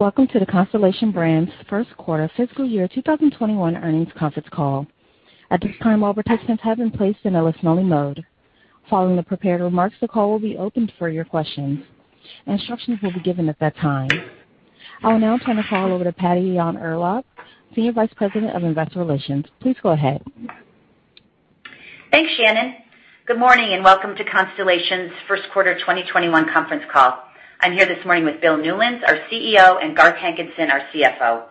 Welcome to the Constellation Brands First Quarter Fiscal Year 2021 Earnings Conference Call. At this time, all participants have been placed in a listen-only mode. Following the prepared remarks, the call will be opened for your questions. Instructions will be given at that time. I will now turn the call over to Patty Yahn-Urlaub, Senior Vice President of Investor Relations. Please go ahead. Thanks, Shannon. Welcome to Constellation's first quarter 2021 conference call. I'm here this morning with Bill Newlands, our CEO, and Garth Hankinson, our CFO.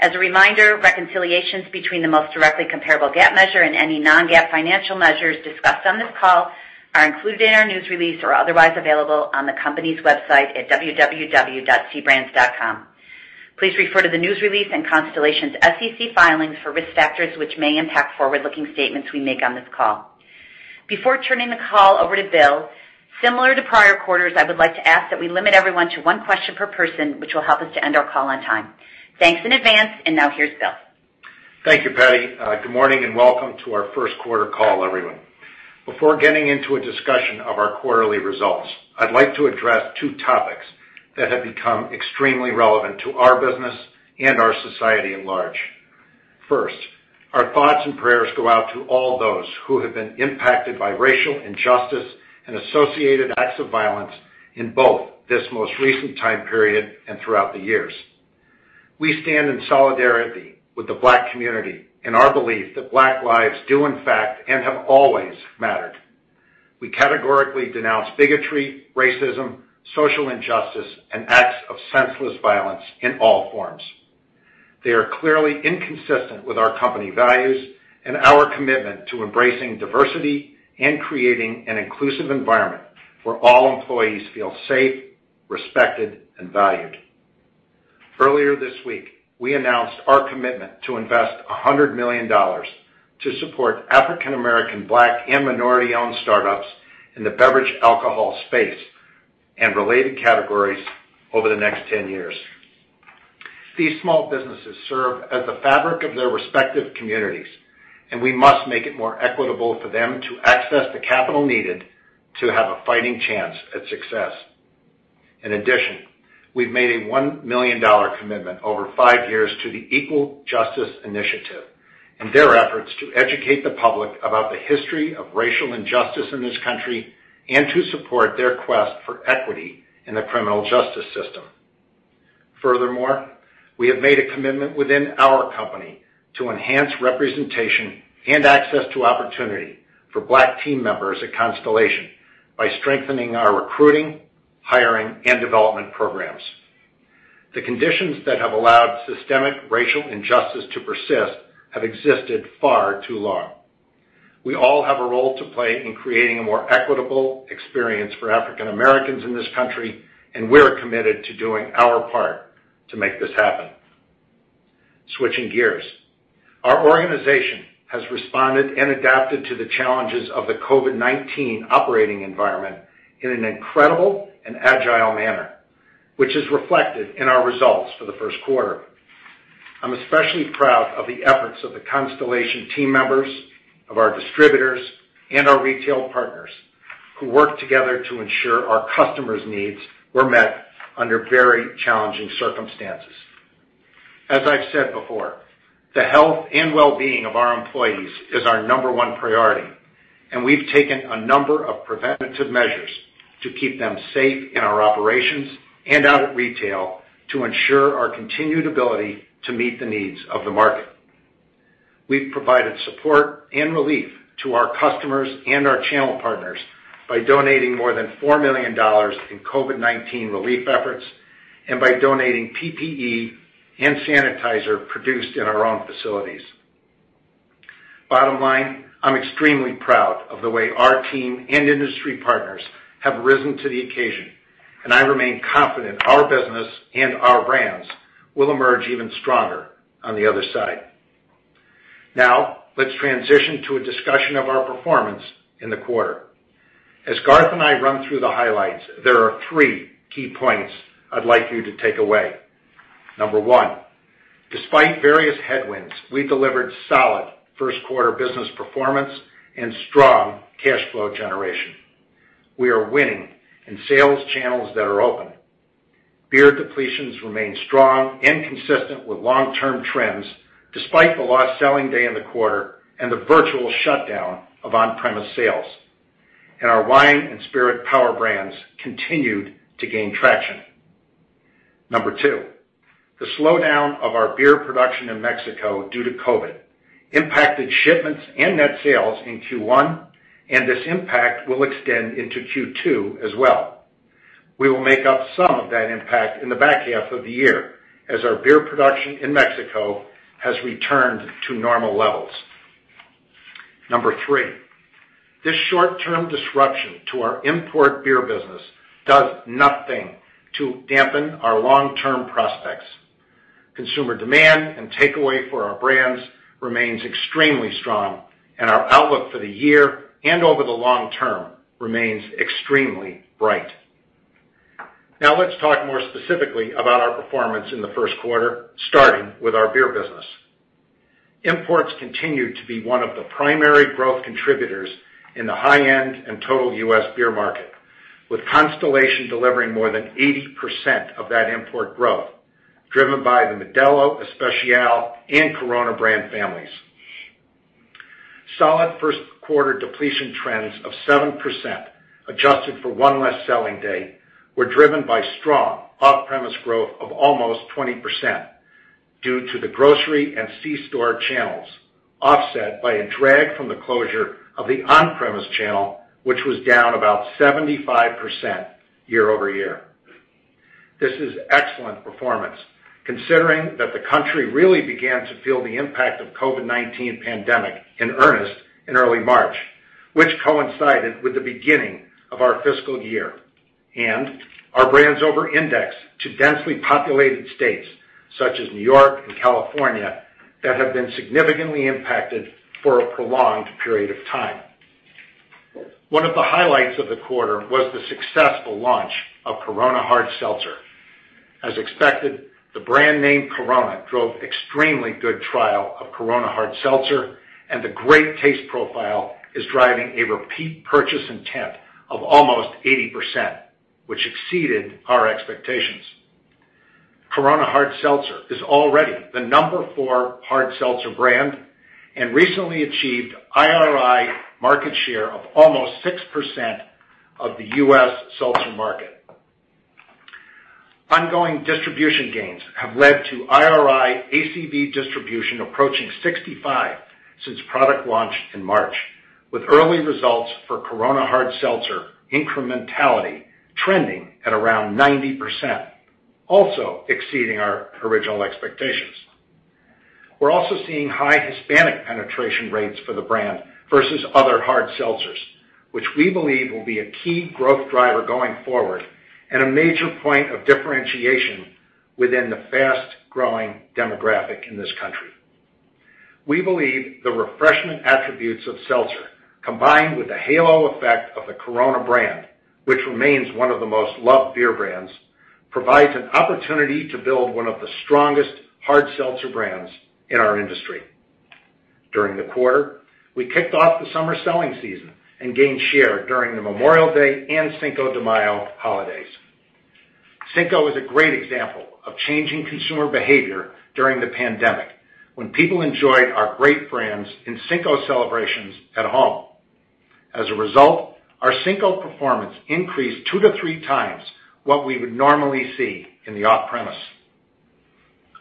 As a reminder, reconciliations between the most directly comparable GAAP measure and any non-GAAP financial measures discussed on this call are included in our news release or otherwise available on the company's website at www.cbrands.com. Please refer to the news release and Constellation's SEC filings for risk factors which may impact forward-looking statements we make on this call. Before turning the call over to Bill, similar to prior quarters, I would like to ask that we limit everyone to one question per person, which will help us to end our call on time. Thanks in advance, now here's Bill. Thank you, Patty. Good morning and welcome to our first quarter call, everyone. Before getting into a discussion of our quarterly results, I'd like to address two topics that have become extremely relevant to our business and our society at large. First, our thoughts and prayers go out to all those who have been impacted by racial injustice and associated acts of violence in both this most recent time period and throughout the years. We stand in solidarity with the Black community in our belief that Black lives do in fact, and have always mattered. We categorically denounce bigotry, racism, social injustice, and acts of senseless violence in all forms. They are clearly inconsistent with our company values and our commitment to embracing diversity and creating an inclusive environment where all employees feel safe, respected, and valued. Earlier this week, we announced our commitment to invest $100 million to support African American, Black, and minority-owned startups in the beverage, alcohol space, and related categories over the next 10 years. These small businesses serve as the fabric of their respective communities, and we must make it more equitable for them to access the capital needed to have a fighting chance at success. In addition, we've made a $1 million commitment over five years to the Equal Justice Initiative and their efforts to educate the public about the history of racial injustice in this country and to support their quest for equity in the criminal justice system. We have made a commitment within our company to enhance representation and access to opportunity for Black team members at Constellation by strengthening our recruiting, hiring, and development programs. The conditions that have allowed systemic racial injustice to persist have existed far too long. We all have a role to play in creating a more equitable experience for African Americans in this country, and we're committed to doing our part to make this happen. Switching gears. Our organization has responded and adapted to the challenges of the COVID-19 operating environment in an incredible and agile manner, which is reflected in our results for the first quarter. I'm especially proud of the efforts of the Constellation team members, of our distributors, and our retail partners who worked together to ensure our customers' needs were met under very challenging circumstances. As I've said before, the health and well-being of our employees is our number 1 priority, and we've taken a number of preventative measures to keep them safe in our operations and out at retail to ensure our continued ability to meet the needs of the market. We've provided support and relief to our customers and our channel partners by donating more than $4 million in COVID-19 relief efforts and by donating PPE and sanitizer produced in our own facilities. Bottom line, I'm extremely proud of the way our team and industry partners have risen to the occasion, and I remain confident our business and our brands will emerge even stronger on the other side. Now, let's transition to a discussion of our performance in the quarter. As Garth and I run through the highlights, there are three key points I'd like you to take away. Number one, despite various headwinds, we delivered solid first quarter business performance and strong cash flow generation. We are winning in sales channels that are open. Beer depletions remain strong and consistent with long-term trends despite the lost selling day in the quarter and the virtual shutdown of on-premise sales. Our wine and spirit power brands continued to gain traction. Number two, the slowdown of our beer production in Mexico due to COVID impacted shipments and net sales in Q1. This impact will extend into Q2 as well. We will make up some of that impact in the back half of the year as our beer production in Mexico has returned to normal levels. Number three, this short-term disruption to our import beer business does nothing to dampen our long-term prospects. Consumer demand and takeaway for our brands remains extremely strong, and our outlook for the year and over the long term remains extremely bright. Now, let's talk more specifically about our performance in the first quarter, starting with our beer business. Imports continue to be one of the primary growth contributors in the high-end and total U.S. beer market, with Constellation delivering more than 80% of that import growth, driven by the Modelo Especial and Corona brand families. Solid first quarter depletion trends of 7%, adjusted for one less selling day, were driven by strong off-premise growth of almost 20% due to the grocery and c-store channels, offset by a drag from the closure of the on-premise channel, which was down about 75% year-over-year. This is excellent performance, considering that the country really began to feel the impact of COVID-19 pandemic in earnest in early March, which coincided with the beginning of our fiscal year. Our brands over-index to densely populated states such as New York and California that have been significantly impacted for a prolonged period of time. One of the highlights of the quarter was the successful launch of Corona Hard Seltzer. As expected, the brand name Corona drove extremely good trial of Corona Hard Seltzer, and the great taste profile is driving a repeat purchase intent of almost 80%, which exceeded our expectations. Corona Hard Seltzer is already the number 4 hard seltzer brand and recently achieved IRI market share of almost 6% of the U.S. seltzer market. Ongoing distribution gains have led to IRI ACV distribution approaching 65% since product launch in March, with early results for Corona Hard Seltzer incrementality trending at around 90%, also exceeding our original expectations. We're also seeing high Hispanic penetration rates for the brand versus other hard seltzers, which we believe will be a key growth driver going forward and a major point of differentiation within the fast-growing demographic in this country. We believe the refreshment attributes of seltzer, combined with the halo effect of the Corona brand, which remains one of the most loved beer brands, provides an opportunity to build one of the strongest hard seltzer brands in our industry. During the quarter, we kicked off the summer selling season and gained share during the Memorial Day and Cinco de Mayo holidays. Cinco is a great example of changing consumer behavior during the pandemic, when people enjoyed our great brands in Cinco celebrations at home. As a result, our Cinco performance increased two to three times what we would normally see in the off-premise.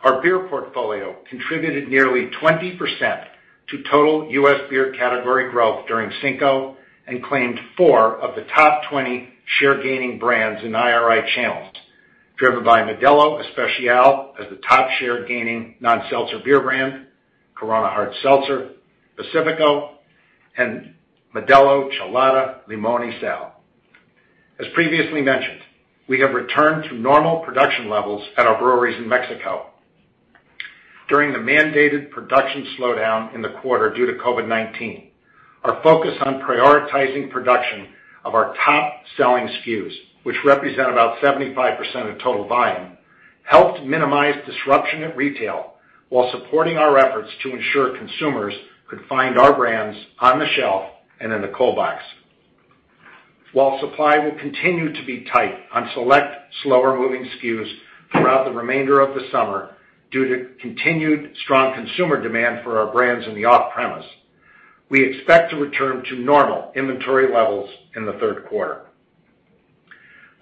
Our beer portfolio contributed nearly 20% to total U.S. beer category growth during Cinco and claimed 20 of the top 20 share-gaining brands in IRI channels, driven by Modelo Especial as the top share-gaining non-seltzer beer brand, Corona Hard Seltzer, Pacifico, and Modelo Chelada Limón y Sal. As previously mentioned, we have returned to normal production levels at our breweries in Mexico. During the mandated production slowdown in the quarter due to COVID-19, our focus on prioritizing production of our top-selling SKUs, which represent about 75% of total volume, helped minimize disruption at retail while supporting our efforts to ensure consumers could find our brands on the shelf and in the cold box. While supply will continue to be tight on select slower-moving SKUs throughout the remainder of the summer due to continued strong consumer demand for our brands in the off-premise, we expect to return to normal inventory levels in the third quarter.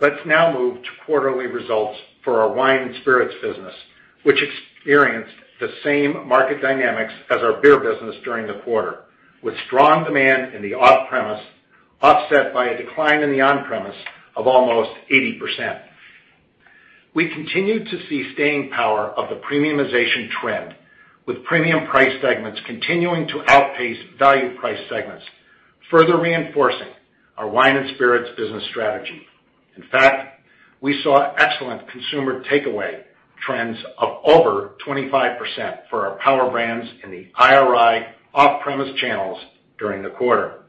Let's now move to quarterly results for our wine and spirits business, which experienced the same market dynamics as our beer business during the quarter, with strong demand in the off-premise offset by a decline in the on-premise of almost 80%. We continued to see staying power of the premiumization trend, with premium price segments continuing to outpace value price segments, further reinforcing our wine and spirits business strategy. In fact, we saw excellent consumer takeaway trends of over 25% for our power brands in the IRI off-premise channels during the quarter.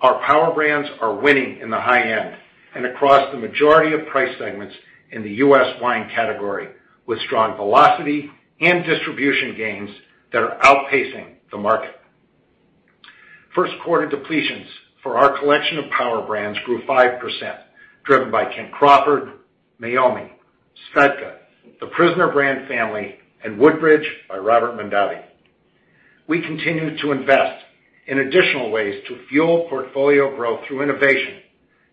Our power brands are winning in the high end and across the majority of price segments in the U.S. wine category, with strong velocity and distribution gains that are outpacing the market. First quarter depletions for our collection of power brands grew 5%, driven by Kim Crawford, Meiomi, SVEDKA, The Prisoner Brand family, and Woodbridge by Robert Mondavi. We continue to invest in additional ways to fuel portfolio growth through innovation,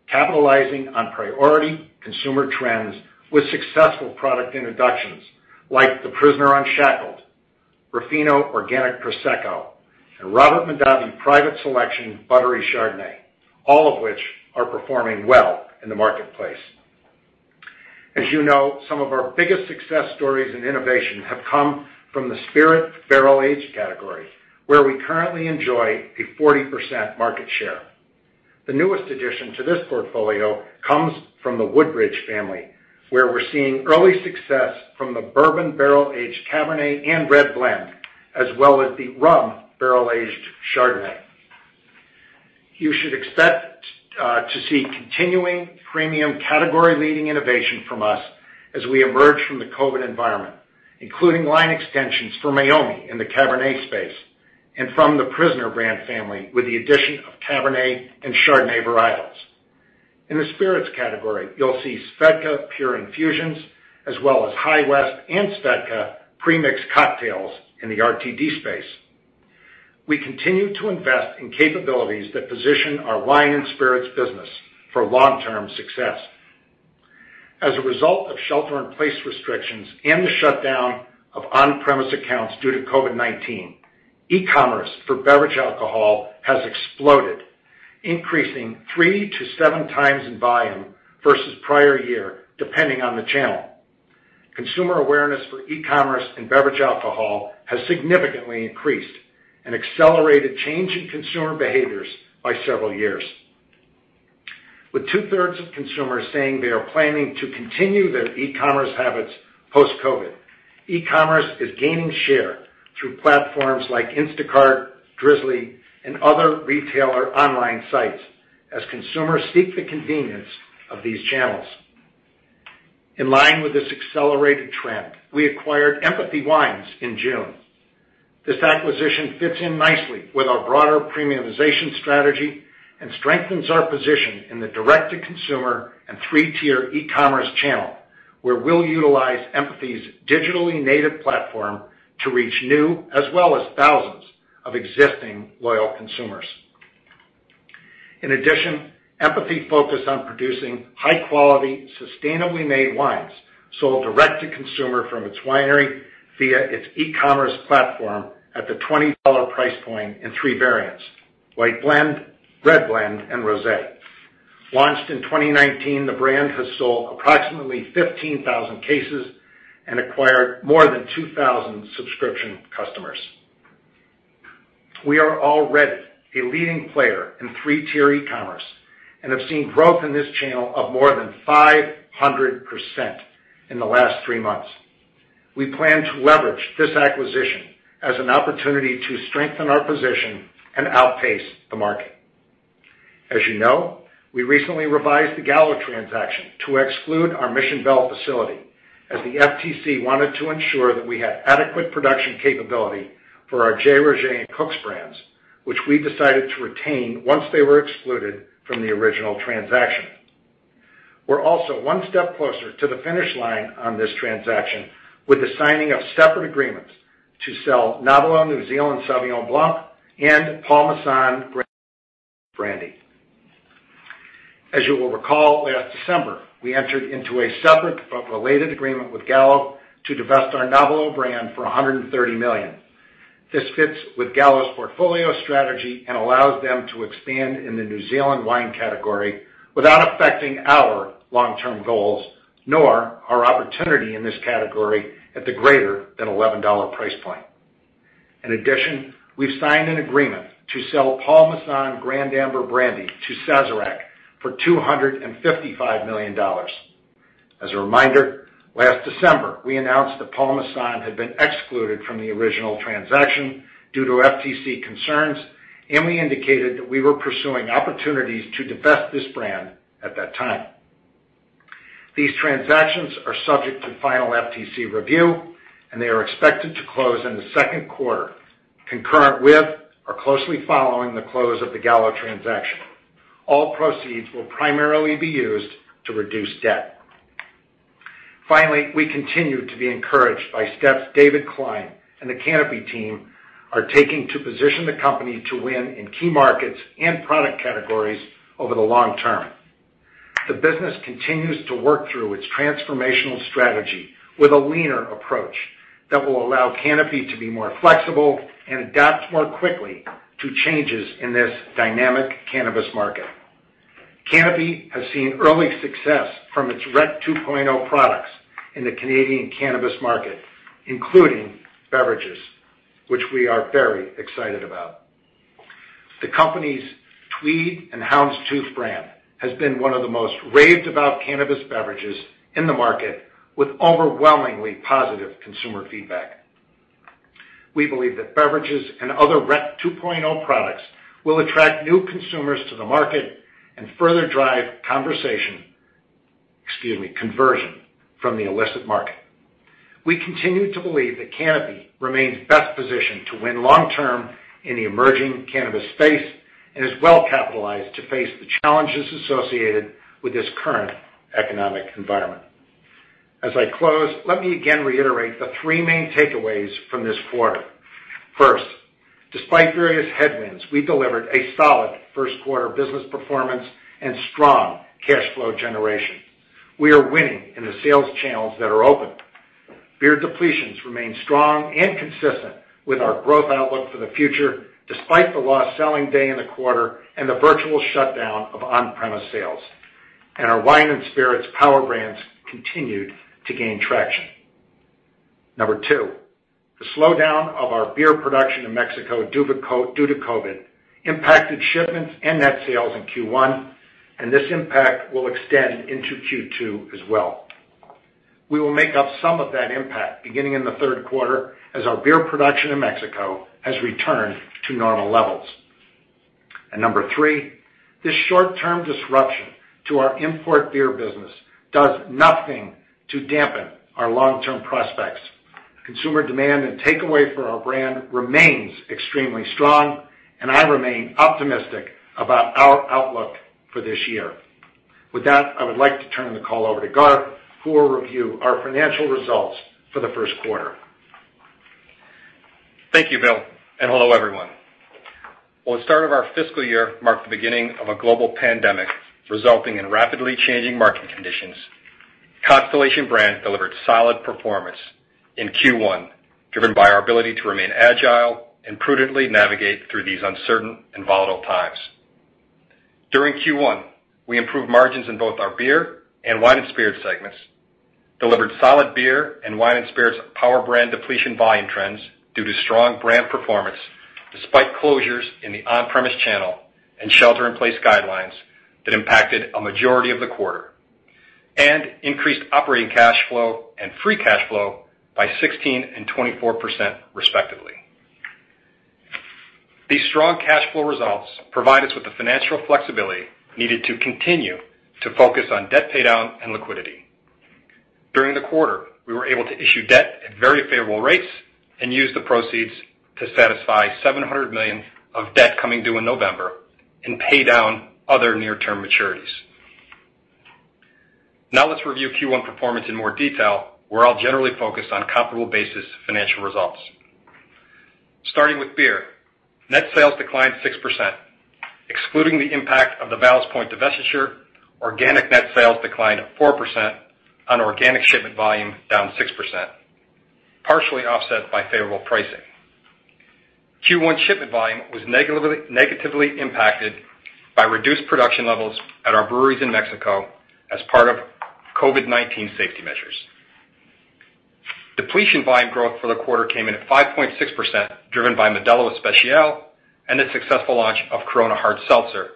capitalizing on priority consumer trends with successful product introductions like The Prisoner Unshackled, Ruffino Organic Prosecco, and Robert Mondavi Private Selection Buttery Chardonnay, all of which are performing well in the marketplace. As you know, some of our biggest success stories in innovation have come from the spirit barrel-aged category, where we currently enjoy a 40% market share. The newest addition to this portfolio comes from the Woodbridge family, where we're seeing early success from the Bourbon Barrel Aged Cabernet and Red Blend, as well as the Rum Barrel Aged Chardonnay. You should expect to see continuing premium category-leading innovation from us as we emerge from the COVID environment, including line extensions for Meiomi in the Cabernet space and from the Prisoner brand family with the addition of Cabernet and Chardonnay varietals. In the spirits category, you'll see SVEDKA Pure Infusions as well as High West and SVEDKA pre-mixed cocktails in the RTD space. We continue to invest in capabilities that position our wine and spirits business for long-term success. As a result of shelter-in-place restrictions and the shutdown of on-premise accounts due to COVID-19, e-commerce for beverage alcohol has exploded, increasing three to seven times in volume versus the prior year, depending on the channel. Consumer awareness for e-commerce and beverage alcohol has significantly increased and accelerated change in consumer behaviors by several years. With two-thirds of consumers saying they are planning to continue their e-commerce habits post-COVID, e-commerce is gaining share through platforms like Instacart, Drizly, and other retailer online sites as consumers seek the convenience of these channels. In line with this accelerated trend, we acquired Empathy Wines in June. This acquisition fits in nicely with our broader premiumization strategy and strengthens our position in the direct-to-consumer and 3-tier e-commerce channel, where we'll utilize Empathy's digitally native platform to reach new as well as thousands of existing loyal consumers. In addition, Empathy focused on producing high-quality, sustainably made wines sold direct to consumer from its winery via its e-commerce platform at the $20 price point in 3 variants, white blend, red blend, and rosé. Launched in 2019, the brand has sold approximately 15,000 cases and acquired more than 2,000 subscription customers. We are already a leading player in 3-tier e-commerce and have seen growth in this channel of more than 500% in the last three months. We plan to leverage this acquisition as an opportunity to strengthen our position and outpace the market. As you know, we recently revised the Gallo transaction to exclude our Mission Bell facility, as the FTC wanted to ensure that we had adequate production capability for our J. Rogét and Cook's brands, which we decided to retain once they were excluded from the original transaction. We're also one step closer to the finish line on this transaction with the signing of separate agreements to sell Nobilo New Zealand Sauvignon Blanc and Paul Masson brandy. As you will recall, last December, we entered into a separate but related agreement with Gallo to divest our Nobilo brand for $130 million. This fits with Gallo's portfolio strategy and allows them to expand in the New Zealand wine category without affecting our long-term goals, nor our opportunity in this category at the greater than $11 price point. In addition, we've signed an agreement to sell Paul Masson Grande Amber Brandy to Sazerac for $255 million. As a reminder, last December, we announced that Paul Masson had been excluded from the original transaction due to FTC concerns, and we indicated that we were pursuing opportunities to divest this brand at that time. These transactions are subject to final FTC review, and they are expected to close in the second quarter, concurrent with or closely following the close of the Gallo transaction. All proceeds will primarily be used to reduce debt. Finally, we continue to be encouraged by steps David Klein and the Canopy team are taking to position the company to win in key markets and product categories over the long term. The business continues to work through its transformational strategy with a leaner approach that will allow Canopy to be more flexible and adapt more quickly to changes in this dynamic cannabis market. Canopy has seen early success from its Rec 2.0 products in the Canadian cannabis market, including beverages, which we are very excited about. The company's Tweed and Houndstooth brand has been one of the most raved-about cannabis beverages in the market, with overwhelmingly positive consumer feedback. We believe that beverages and other Rec 2.0 products will attract new consumers to the market and further drive conversation, excuse me, conversion from the illicit market. We continue to believe that Canopy remains best positioned to win long term in the emerging cannabis space and is well-capitalized to face the challenges associated with this current economic environment. As I close, let me again reiterate the three main takeaways from this quarter. First, despite various headwinds, we delivered a solid first quarter business performance and strong cash flow generation. We are winning in the sales channels that are open. Beer depletions remain strong and consistent with our growth outlook for the future, despite the lost selling day in the quarter and the virtual shutdown of on-premise sales. Our wine and spirits power brands continued to gain traction. Number 2, the slowdown of our beer production in Mexico due to COVID-19 impacted shipments and net sales in Q1. This impact will extend into Q2 as well. We will make up some of that impact beginning in the third quarter as our beer production in Mexico has returned to normal levels. Number 3, this short-term disruption to our import beer business does nothing to dampen our long-term prospects. Consumer demand and takeaway for our brand remains extremely strong, and I remain optimistic about our outlook for this year. With that, I would like to turn the call over to Garth, who will review our financial results for the first quarter. Thank you, Bill. Hello, everyone. While the start of our fiscal year marked the beginning of a global pandemic, resulting in rapidly changing market conditions, Constellation Brands delivered solid performance in Q1, driven by our ability to remain agile and prudently navigate through these uncertain and volatile times. During Q1, we improved margins in both our beer and wine and spirits segments, delivered solid beer and wine and spirits power brand depletion volume trends due to strong brand performance despite closures in the on-premise channel and shelter-in-place guidelines that impacted a majority of the quarter, and increased operating cash flow and free cash flow by 16% and 24%, respectively. These strong cash flow results provide us with the financial flexibility needed to continue to focus on debt paydown and liquidity. During the quarter, we were able to issue debt at very favorable rates and use the proceeds to satisfy 700 million of debt coming due in November and pay down other near-term maturities. Let's review Q1 performance in more detail, where I'll generally focus on comparable basis financial results. Starting with beer. Net sales declined 6%. Excluding the impact of the Ballast Point divestiture, organic net sales declined 4% on organic shipment volume down 6%, partially offset by favorable pricing. Q1 shipment volume was negatively impacted by reduced production levels at our breweries in Mexico as part of COVID-19 safety measures. Depletion volume growth for the quarter came in at 5.6%, driven by Modelo Especial and the successful launch of Corona Hard Seltzer.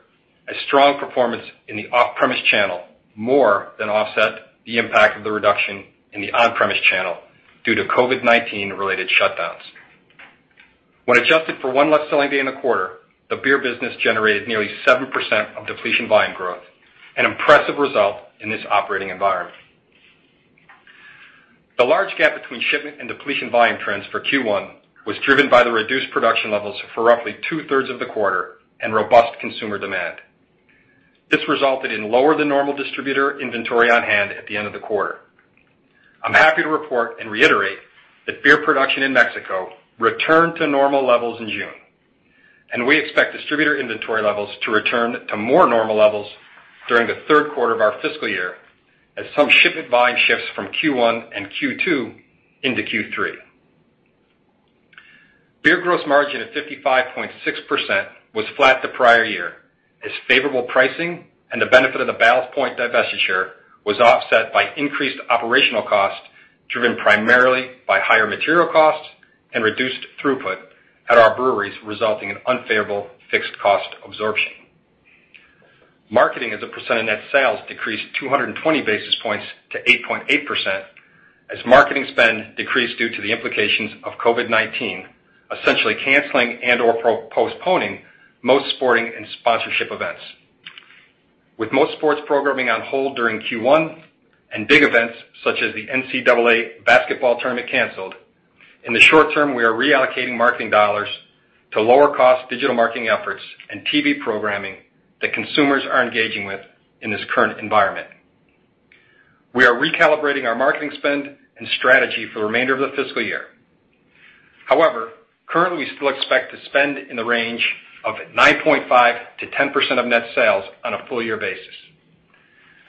A strong performance in the off-premise channel more than offset the impact of the reduction in the on-premise channel due to COVID-19 related shutdowns. When adjusted for one less selling day in the quarter, the beer business generated nearly 7% of depletion volume growth, an impressive result in this operating environment. The large gap between shipment and depletion volume trends for Q1 was driven by the reduced production levels for roughly two-thirds of the quarter and robust consumer demand. This resulted in lower than normal distributor inventory on hand at the end of the quarter. I'm happy to report and reiterate that beer production in Mexico returned to normal levels in June. We expect distributor inventory levels to return to more normal levels during the third quarter of our fiscal year as some shipment volume shifts from Q1 and Q2 into Q3. Beer gross margin at 55.6% was flat to prior year as favorable pricing and the benefit of the Ballast Point divestiture was offset by increased operational costs, driven primarily by higher material costs and reduced throughput at our breweries, resulting in unfavorable fixed cost absorption. Marketing as a percent of net sales decreased 220 basis points to 8.8% as marketing spend decreased due to the implications of COVID-19, essentially canceling and/or postponing most sporting and sponsorship events. With most sports programming on hold during Q1 and big events such as the NCAA basketball tournament canceled, in the short term, we are reallocating marketing dollars to lower cost digital marketing efforts and TV programming that consumers are engaging with in this current environment. We are recalibrating our marketing spend and strategy for the remainder of the fiscal year. Currently, we still expect to spend in the range of 9.5% to 10% of net sales on a full year basis.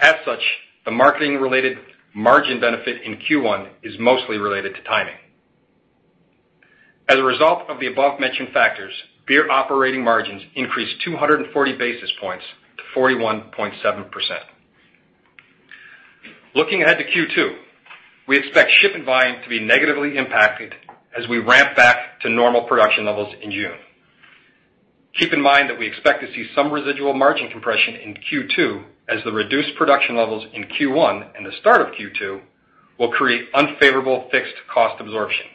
As such, the marketing-related margin benefit in Q1 is mostly related to timing. As a result of the above-mentioned factors, beer operating margins increased 240 basis points to 41.7%. Looking ahead to Q2, we expect shipment volume to be negatively impacted as we ramp back to normal production levels in June. Keep in mind that we expect to see some residual margin compression in Q2 as the reduced production levels in Q1 and the start of Q2 will create unfavorable fixed cost absorption,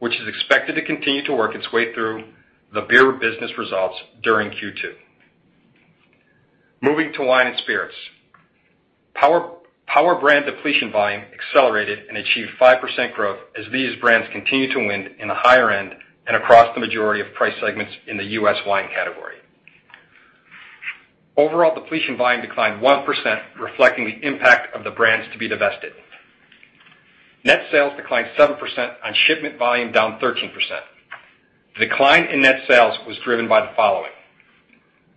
which is expected to continue to work its way through the beer business results during Q2. Moving to wine and spirits. Power brand depletion volume accelerated and achieved 5% growth as these brands continue to win in the higher end and across the majority of price segments in the U.S. wine category. Overall depletion volume declined 1%, reflecting the impact of the brands to be divested. Net sales declined 7% on shipment volume down 13%. The decline in net sales was driven by the following.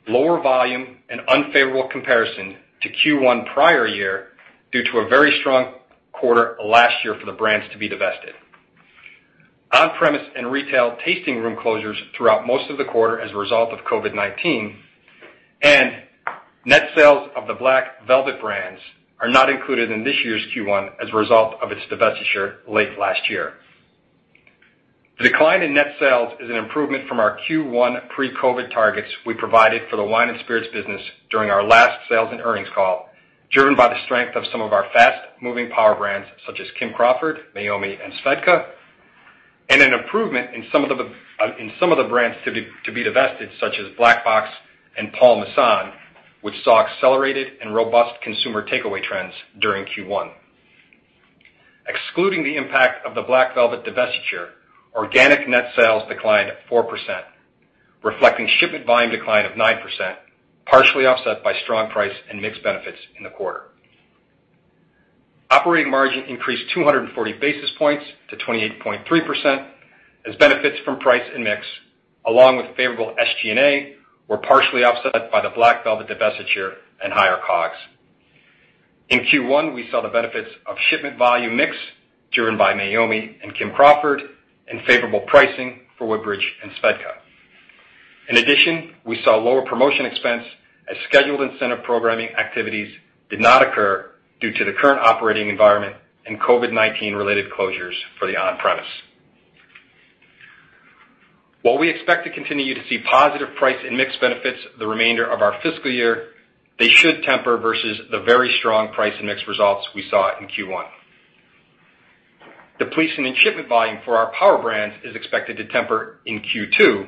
Lower volume and unfavorable comparison to Q1 prior year due to a very strong quarter last year for the brands to be divested. On-premise and retail tasting room closures throughout most of the quarter as a result of COVID-19. Net sales of the Black Velvet brands are not included in this year's Q1 as a result of its divestiture late last year. The decline in net sales is an improvement from our Q1 pre-COVID targets we provided for the wine and spirits business during our last sales and earnings call, driven by the strength of some of our fast-moving power brands such as Kim Crawford, Meiomi, and SVEDKA, and an improvement in some of the brands to be divested, such as Black Box and Paul Masson, which saw accelerated and robust consumer takeaway trends during Q1. Excluding the impact of the Black Velvet divestiture, organic net sales declined 4%, reflecting shipment volume decline of 9%, partially offset by strong price and mix benefits in the quarter. Operating margin increased 240 basis points to 28.3% as benefits from price and mix, along with favorable SG&A, were partially offset by the Black Velvet divestiture and higher COGS. In Q1, we saw the benefits of shipment volume mix driven by Meiomi and Kim Crawford and favorable pricing for Woodbridge and SVEDKA. In addition, we saw lower promotion expense as scheduled incentive programming activities did not occur due to the current operating environment and COVID-19 related closures for the on-premise. While we expect to continue to see positive price and mix benefits the remainder of our fiscal year, they should temper versus the very strong price and mix results we saw in Q1. The depletion shipment volume for our power brands is expected to temper in Q2,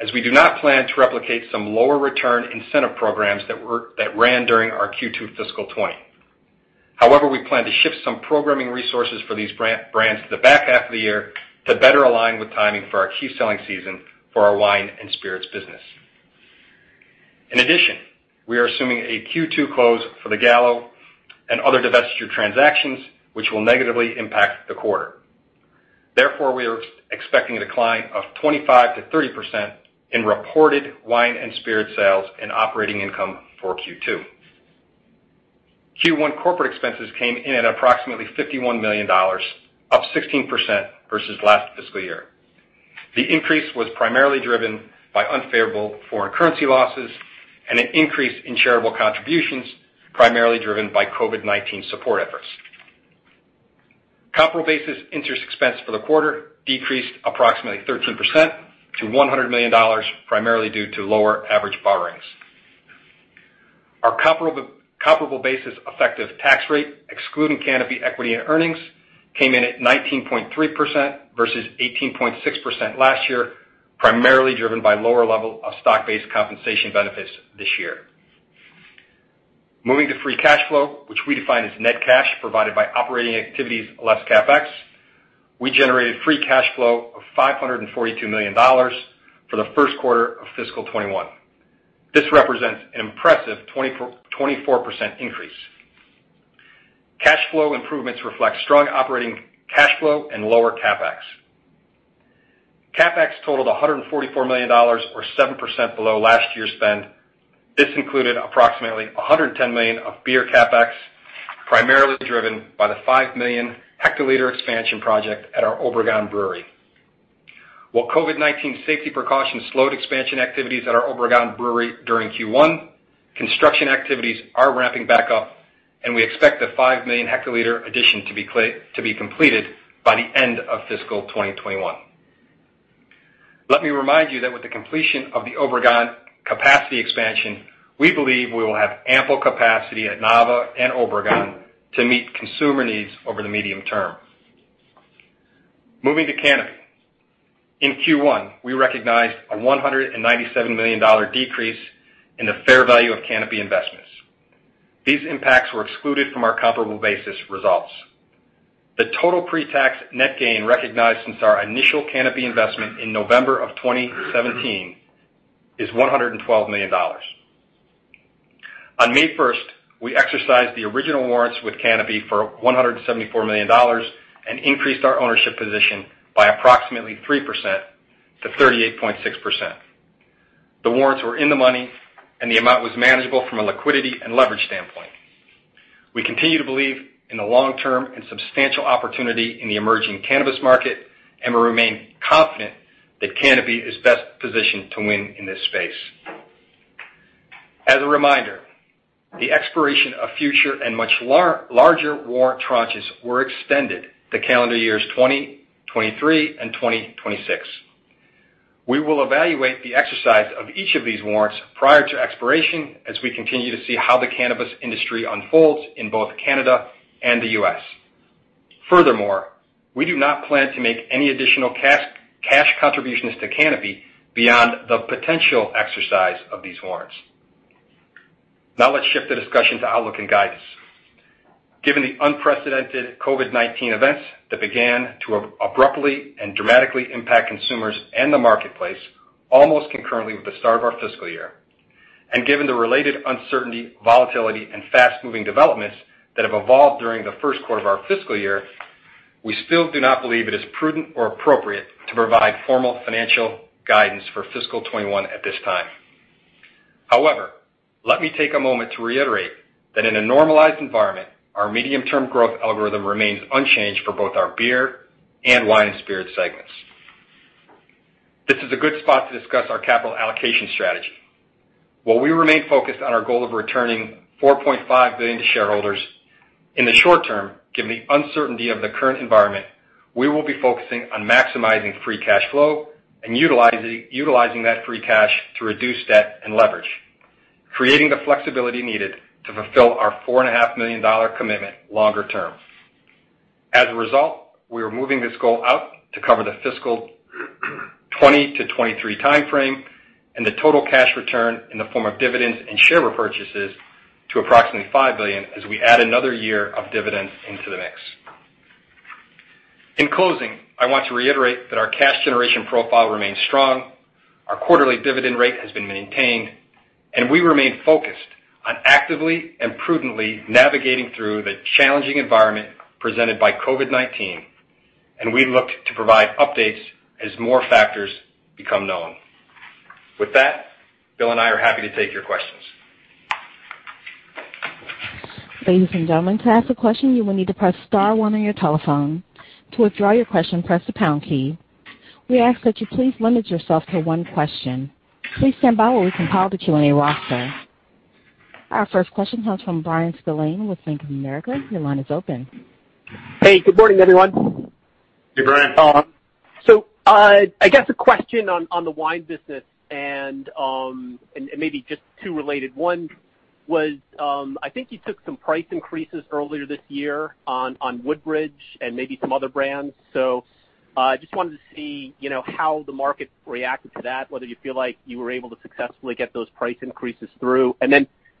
as we do not plan to replicate some lower return incentive programs that ran during our Q2 fiscal 2020. However, we plan to shift some programming resources for these brands to the back half of the year to better align with timing for our key selling season for our wine and spirits business. In addition, we are assuming a Q2 close for the Gallo and other divestiture transactions, which will negatively impact the quarter. Therefore, we are expecting a decline of 25%-30% in reported wine and spirit sales and operating income for Q2. Q1 corporate expenses came in at approximately $51 million, up 16% versus last fiscal year. The increase was primarily driven by unfavorable foreign currency losses and an increase in shareable contributions, primarily driven by COVID-19 support efforts. Comparable basis interest expense for the quarter decreased approximately 13% to $100 million, primarily due to lower average borrowings. Our comparable basis effective tax rate, excluding Canopy equity and earnings, came in at 19.3% versus 18.6% last year, primarily driven by lower level of stock-based compensation benefits this year. Moving to free cash flow, which we define as net cash provided by operating activities less CapEx, we generated free cash flow of $542 million for the first quarter of fiscal 2021. This represents an impressive 24% increase. Cash flow improvements reflect strong operating cash flow and lower CapEx. CapEx totaled $144 million, or 7% below last year's spend. This included approximately $110 million of beer CapEx, primarily driven by the 5 million hectoliter expansion project at our Obregon Brewery. While COVID-19 safety precautions slowed expansion activities at our Obregon Brewery during Q1, construction activities are ramping back up, and we expect the 5 million hectoliter addition to be completed by the end of fiscal 2021. Let me remind you that with the completion of the Obregon capacity expansion, we believe we will have ample capacity at Nava and Obregon to meet consumer needs over the medium term. Moving to Canopy. In Q1, we recognized a $197 million decrease in the fair value of Canopy investments. These impacts were excluded from our comparable basis results. The total pre-tax net gain recognized since our initial Canopy investment in November of 2017 is $112 million. On May 1st, we exercised the original warrants with Canopy for $174 million and increased our ownership position by approximately 3% to 38.6%. The warrants were in the money, and the amount was manageable from a liquidity and leverage standpoint. We continue to believe in the long-term and substantial opportunity in the emerging cannabis market, and we remain confident that Canopy is best positioned to win in this space. As a reminder, the expiration of future and much larger warrant tranches were extended to calendar years 2023 and 2026. We will evaluate the exercise of each of these warrants prior to expiration as we continue to see how the cannabis industry unfolds in both Canada and the U.S. Furthermore, we do not plan to make any additional cash contributions to Canopy beyond the potential exercise of these warrants. Now let's shift the discussion to outlook and guidance. Given the unprecedented COVID-19 events that began to abruptly and dramatically impact consumers and the marketplace almost concurrently with the start of our fiscal year, and given the related uncertainty, volatility, and fast-moving developments that have evolved during the first quarter of our fiscal year, we still do not believe it is prudent or appropriate to provide formal financial guidance for fiscal 2021 at this time. Let me take a moment to reiterate that in a normalized environment, our medium-term growth algorithm remains unchanged for both our beer and wine and spirit segments. This is a good spot to discuss our capital allocation strategy. While we remain focused on our goal of returning $4.5 billion to shareholders, in the short term, given the uncertainty of the current environment, we will be focusing on maximizing free cash flow and utilizing that free cash to reduce debt and leverage, creating the flexibility needed to fulfill our $4.5 million commitment longer term. We are moving this goal out to cover the fiscal 2020 to 2023 timeframe, and the total cash return in the form of dividends and share repurchases to approximately $5 billion as we add another year of dividends into the mix. In closing, I want to reiterate that our cash generation profile remains strong, our quarterly dividend rate has been maintained, and we remain focused on actively and prudently navigating through the challenging environment presented by COVID-19. We look to provide updates as more factors become known. With that, Bill and I are happy to take your questions. Ladies and gentlemen, to ask a question, you will need to press star one on your telephone. To withdraw your question, press the pound key. We ask that you please limit yourself to one question. Please stand by while we compile the Q&A roster. Our first question comes from Bryan Spillane with Bank of America. Your line is open. Hey, good morning, everyone. Hey, Bryan. I guess a question on the wine business and maybe just two related. One was, I think you took some price increases earlier this year on Woodbridge and maybe some other brands. I just wanted to see how the market reacted to that, whether you feel like you were able to successfully get those price increases through.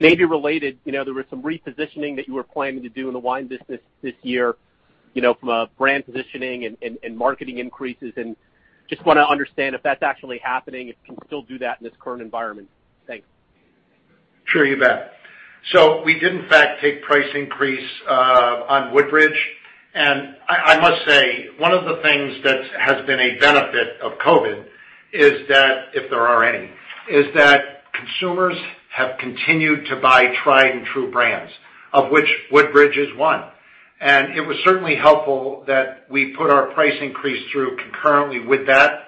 Maybe related, there was some repositioning that you were planning to do in the wine business this year, from a brand positioning and marketing increases, and just want to understand if that's actually happening, if you can still do that in this current environment. Thanks. Sure, you bet. We did in fact take price increase on Woodbridge. I must say, one of the things that has been a benefit of COVID-19, if there are any, is that consumers have continued to buy tried-and-true brands, of which Woodbridge is one. It was certainly helpful that we put our price increase through concurrently with that.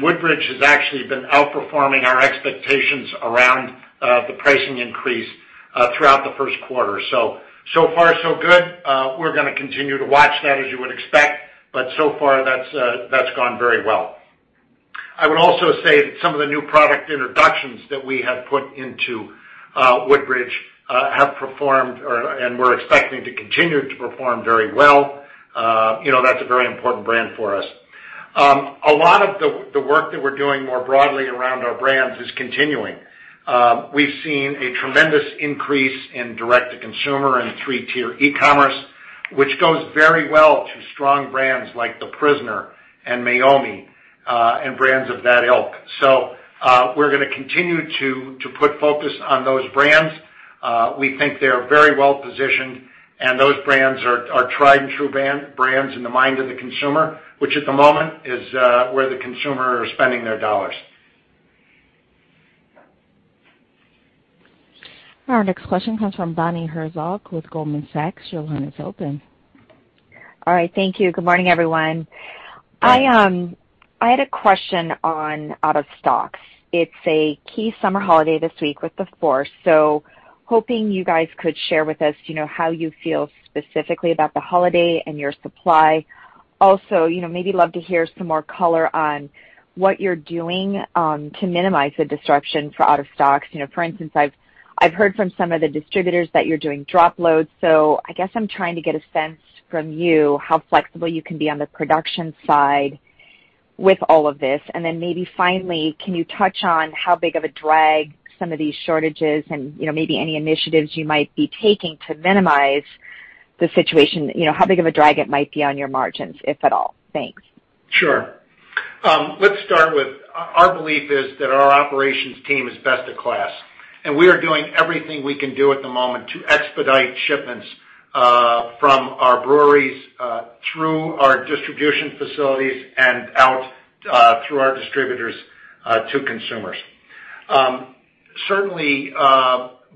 Woodbridge has actually been outperforming our expectations around the pricing increase throughout the first quarter. So far so good. We're going to continue to watch that, as you would expect. So far that's gone very well. I would also say that some of the new product introductions that we have put into Woodbridge have performed or, and we're expecting to continue to perform very well. That's a very important brand for us. A lot of the work that we're doing more broadly around our brands is continuing. We've seen a tremendous increase in direct-to-consumer and three-tier e-commerce, which goes very well to strong brands like The Prisoner and Meiomi, and brands of that ilk. We're going to continue to put focus on those brands. We think they are very well-positioned, and those brands are tried and true brands in the mind of the consumer, which at the moment is where the consumer are spending their dollars. Our next question comes from Bonnie Herzog with Goldman Sachs. Your line is open. All right. Thank you. Good morning, everyone. Hi. I had a question on out of stocks. It's a key summer holiday this week with the Fourth, hoping you guys could share with us how you feel specifically about the holiday and your supply. Maybe love to hear some more color on what you're doing to minimize the disruption for out of stocks. I've heard from some of the distributors that you're doing drop loads, I guess I'm trying to get a sense from you how flexible you can be on the production side with all of this. Maybe finally, can you touch on how big of a drag some of these shortages and maybe any initiatives you might be taking to minimize the situation, how big of a drag it might be on your margins, if at all? Thanks. Sure. Let's start with, our belief is that our operations team is best in class, and we are doing everything we can do at the moment to expedite shipments from our breweries, through our distribution facilities, and out through our distributors to consumers. Certainly,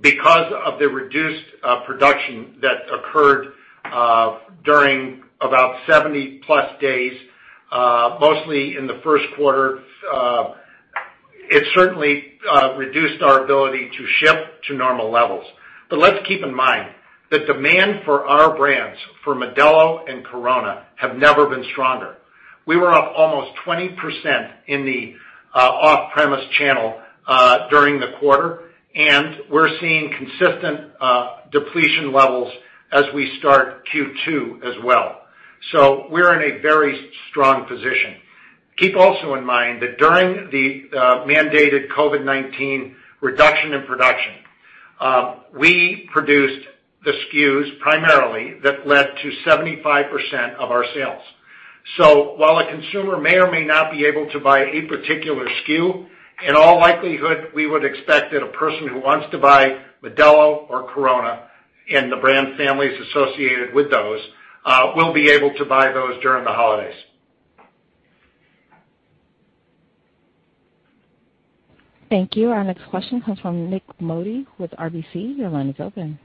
because of the reduced production that occurred during about 70-plus days, mostly in the first quarter, it certainly reduced our ability to ship to normal levels. Let's keep in mind, the demand for our brands, for Modelo and Corona, have never been stronger. We were up almost 20% in the off-premise channel during the quarter, and we're seeing consistent depletion levels as we start Q2 as well. We're in a very strong position. Keep also in mind that during the mandated COVID-19 reduction in production, we produced the SKUs primarily that led to 75% of our sales. While a consumer may or may not be able to buy a particular SKU, in all likelihood, we would expect that a person who wants to buy Modelo or Corona, and the brand families associated with those, will be able to buy those during the holidays. Thank you. Our next question comes from Nik Modi with RBC. Your line is open.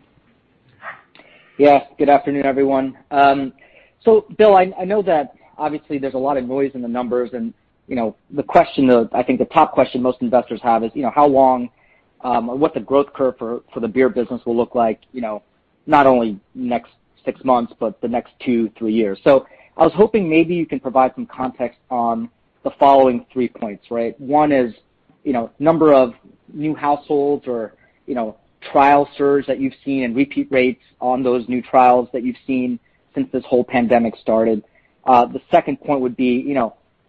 Yes. Good afternoon, everyone. Bill, I know that obviously there's a lot of noise in the numbers and the question, I think the top question most investors have is, how long or what the growth curve for the beer business will look like, not only next 6 months, but the next 2, 3 years. I was hoping maybe you can provide some context on the following 3 points, right? One is, number of new households or trial surge that you've seen and repeat rates on those new trials that you've seen since this whole pandemic started. The second point would be,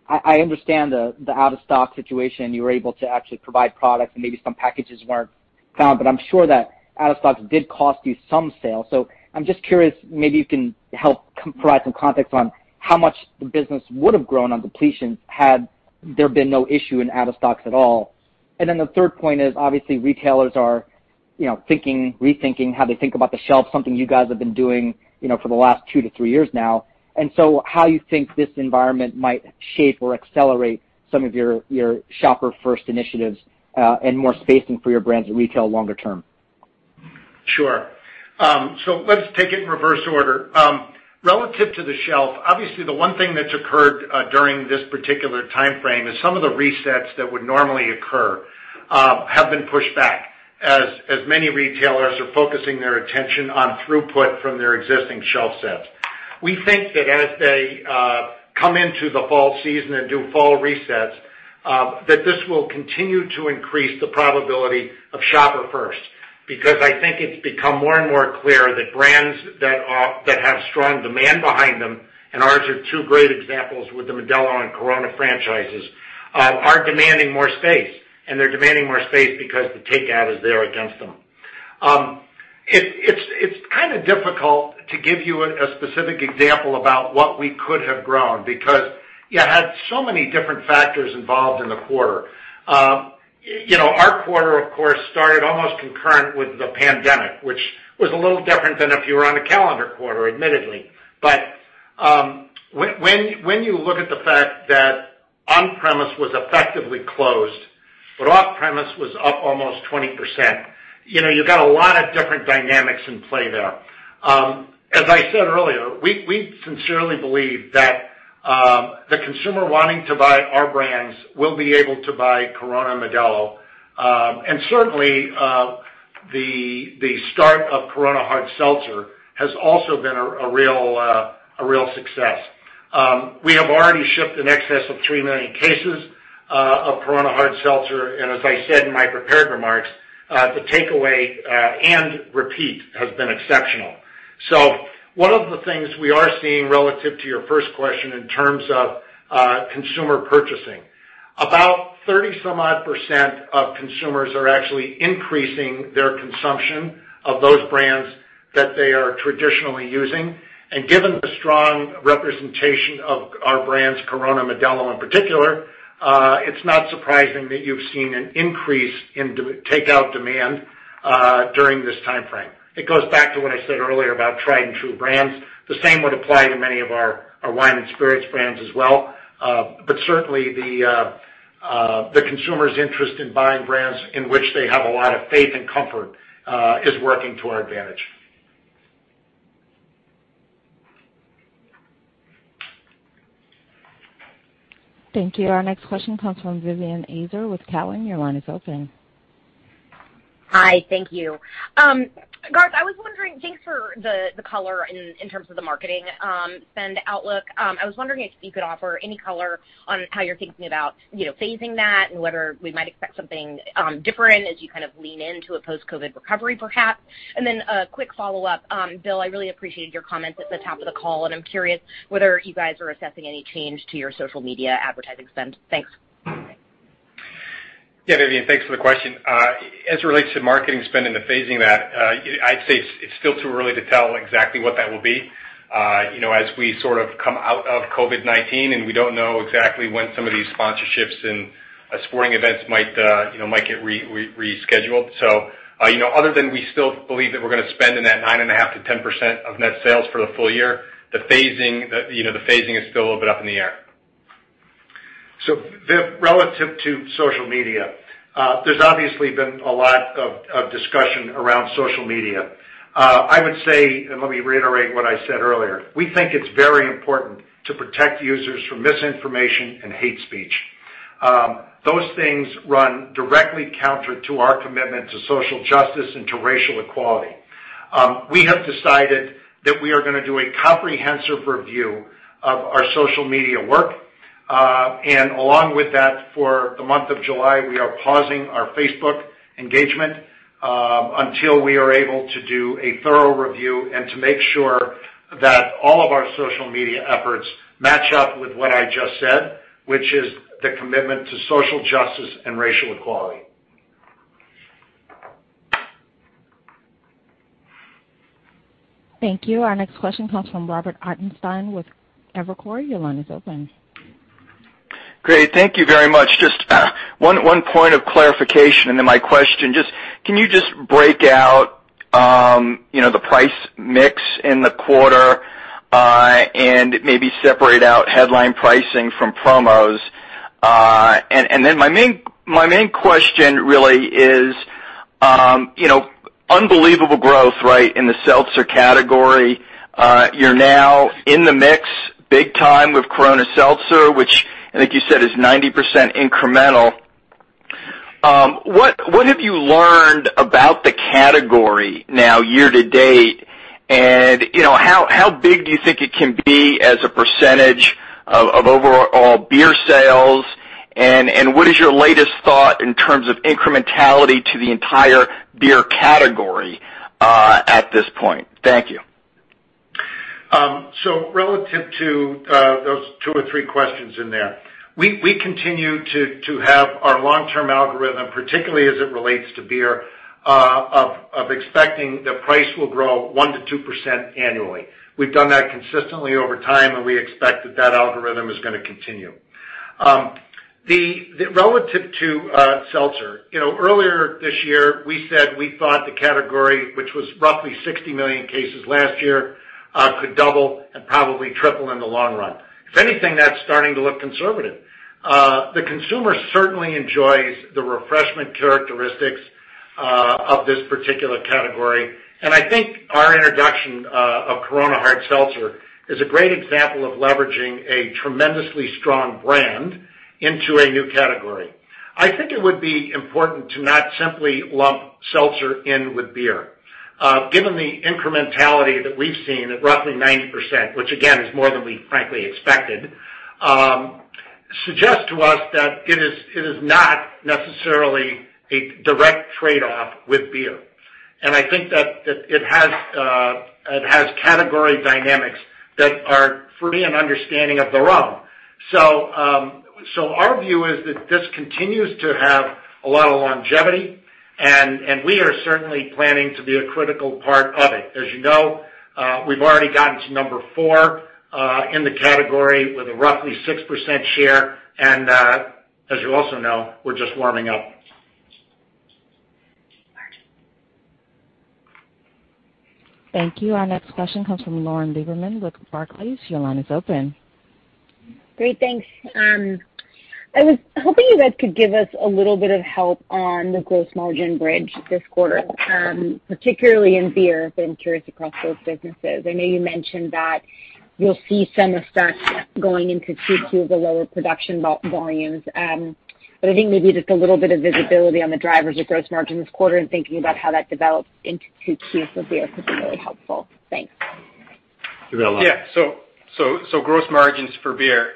I understand the out-of-stock situation, you were able to actually provide products and maybe some packages weren't found, but I'm sure that out of stocks did cost you some sales. I'm just curious, maybe you can help provide some context on how much the business would've grown on depletions had there been no issue in out of stocks at all. Then the third point is obviously retailers are thinking, rethinking how they think about the shelf, something you guys have been doing for the last two to three years now. So how you think this environment might shape or accelerate some of your shopper-first initiatives, and more spacing for your brands at retail longer term. Sure. Let's take it in reverse order. Relative to the shelf, obviously the one thing that's occurred during this particular timeframe is some of the resets that would normally occur, have been pushed back, as many retailers are focusing their attention on throughput from their existing shelf sets. We think that as they come into the fall season and do fall resets, that this will continue to increase the probability of shopper first, because I think it's become more and more clear that brands that have strong demand behind them, and ours are two great examples with the Modelo and Corona franchises, are demanding more space, and they're demanding more space because the takeout is there against them. It's kind of difficult to give you a specific example about what we could have grown because you had so many different factors involved in the quarter. Our quarter, of course, started almost concurrent with the pandemic, which was a little different than if you were on a calendar quarter, admittedly. When you look at the fact that on-premise was effectively closed, but off-premise was up almost 20%, you've got a lot of different dynamics in play there. As I said earlier, we sincerely believe that the consumer wanting to buy our brands will be able to buy Corona, Modelo. Certainly, the start of Corona Hard Seltzer has also been a real success. We have already shipped in excess of 3 million cases of Corona Hard Seltzer, and as I said in my prepared remarks, the takeaway and repeat has been exceptional. One of the things we are seeing relative to your first question in terms of consumer purchasing, about 30-some-odd % of consumers are actually increasing their consumption of those brands that they are traditionally using. Given the strong representation of our brands, Corona, Modelo in particular, it's not surprising that you've seen an increase in takeout demand during this timeframe. It goes back to what I said earlier about tried and true brands. The same would apply to many of our wine and spirits brands as well. Certainly the consumer's interest in buying brands in which they have a lot of faith and comfort, is working to our advantage. Thank you. Our next question comes from Vivien Azer with Cowen. Your line is open. Hi. Thank you. Garth, thanks for the color in terms of the marketing spend outlook. I was wondering if you could offer any color on how you're thinking about phasing that and whether we might expect something different as you kind of lean into a post-COVID recovery perhaps. A quick follow-up, Bill, I really appreciated your comments at the top of the call, and I'm curious whether you guys are assessing any change to your social media advertising spend. Thanks. Yeah, Vivien, thanks for the question. As it relates to marketing spend and the phasing of that, I'd say it's still too early to tell exactly what that will be. As we sort of come out of COVID-19 and we don't know exactly when some of these sponsorships and sporting events might get rescheduled. Other than we still believe that we're gonna spend in that 9.5%-10% of net sales for the full year, the phasing is still a little bit up in the air. Viv, relative to social media, there's obviously been a lot of discussion around social media. I would say, let me reiterate what I said earlier, we think it's very important to protect users from misinformation and hate speech. Those things run directly counter to our commitment to social justice and to racial equality. We have decided that we are gonna do a comprehensive review of our social media work. Along with that, for the month of July, we are pausing our Facebook engagement, until we are able to do a thorough review and to make sure that all of our social media efforts match up with what I just said, which is the commitment to social justice and racial equality. Thank you. Our next question comes from Robert Ottenstein with Evercore. Your line is open. Great. Thank you very much. Just one point of clarification and then my question. Can you just break out the price mix in the quarter and maybe separate out headline pricing from promos? My main question really is, unbelievable growth, right, in the seltzer category. You're now in the mix big time with Corona Seltzer, which I think you said is 90% incremental. What have you learned about the category now year to date, and how big do you think it can be as a percentage of overall beer sales? What is your latest thought in terms of incrementality to the entire beer category at this point? Thank you. Relative to those two or three questions in there, we continue to have our long-term algorithm, particularly as it relates to beer, of expecting that price will grow 1% to 2% annually. We've done that consistently over time, and we expect that that algorithm is going to continue. Relative to seltzer, earlier this year, we said we thought the category, which was roughly 60 million cases last year, could double and probably triple in the long run. If anything, that's starting to look conservative. The consumer certainly enjoys the refreshment characteristics of this particular category, and I think our introduction of Corona Hard Seltzer is a great example of leveraging a tremendously strong brand into a new category. I think it would be important to not simply lump seltzer in with beer. Given the incrementality that we've seen at roughly 90%, which again, is more than we frankly expected, suggest to us that it is not necessarily a direct trade-off with beer. I think that it has category dynamics that are free and understanding of their own. Our view is that this continues to have a lot of longevity and we are certainly planning to be a critical part of it. As you know, we've already gotten to number 4 in the category with a roughly 6% share, and as you also know, we're just warming up. Thank you. Our next question comes from Lauren Lieberman with Barclays. Your line is open. Great. Thanks. I was hoping you guys could give us a little bit of help on the gross margin bridge this quarter, particularly in beer, I'm curious across those businesses. I know you mentioned that you'll see some effect going into Q2 with the lower production volumes. I think maybe just a little bit of visibility on the drivers of gross margin this quarter and thinking about how that develops into Q2 for beer would be really helpful. Thanks. Yeah. Gross margins for beer.